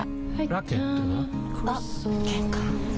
ラケットは？